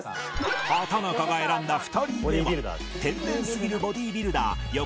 畠中が選んだ２人目は天然すぎるボディビルダー横川